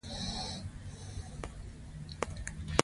د روسیې د امپراطور سلامونه هم ورته کښلي.